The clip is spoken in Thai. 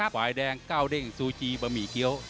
ฝ่ายแดงก้าวเด้งซูจีบะหมี่เกี้ยว